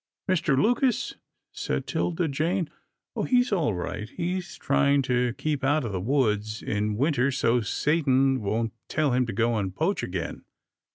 "Mr. Lucas?" said 'Tilda Jane. "Oh! he's all right. He's trying to keep out of the woods in winter so Satan won't tell him to go and poach again.